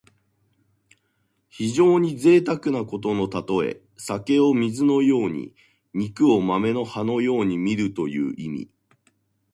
非常にぜいたくなことのたとえ。酒を水のように肉を豆の葉のようにみるという意味。